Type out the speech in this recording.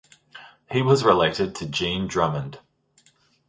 He was related to Jean Drummond.